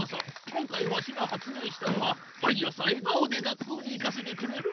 今回わしが発明したのは毎朝えがおで学校に行かせてくれるマシン。